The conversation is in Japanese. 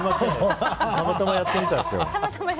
たまたまやってみたんです。